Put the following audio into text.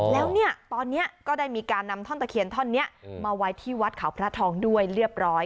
แล้วเนี่ยตอนนี้ก็ได้มีการนำท่อนตะเคียนท่อนนี้มาไว้ที่วัดเขาพระทองด้วยเรียบร้อย